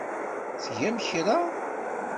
Tgam kra?